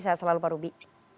saya salah lupa rubi